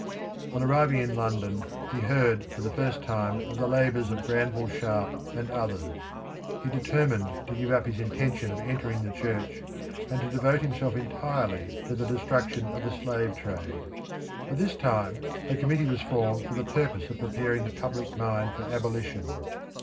On arriving in London he heard for the first time of the labours of Granville Sharp and others. He determined to give up his intention of entering the Church, and to devote himself entirely to the destruction of the slave trade. At this time a Committee was formed for the purpose of preparing the public mind for abolition.